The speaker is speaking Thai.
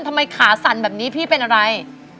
ทำไมขาสั่นแบบนี้พี่เป็นอะไร